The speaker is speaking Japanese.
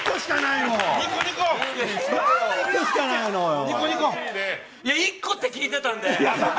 いや、１個って聞いてたんで。